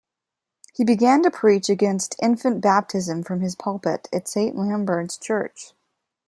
He began to preach against infant baptism from his pulpit at Saint Lambert's church.